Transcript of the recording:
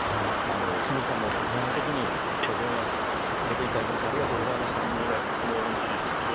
清水さんも大変なときにお電話出ていただきまして、ありがととんでもない。